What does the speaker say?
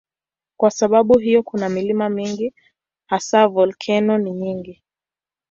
Kwa sababu hiyo kuna milima mingi, hasa volkeno ni nyingi.